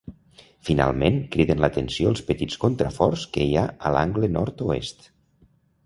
Finalment, criden l'atenció els petits contraforts que hi ha a l'angle nord-oest.